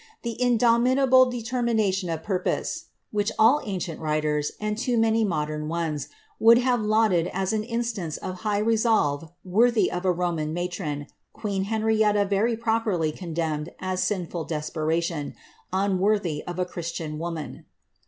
The indomitable determination of purpose, which all ancient writers, and too many modern ones, would have lauded as an instance of hiffh resolve worthy a Roman matron, queen Henrietta very properly condemned as sinful desperation, unworthy of a Christian woman.